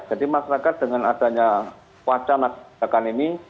jadi masyarakat dengan adanya wajah masyarakat ini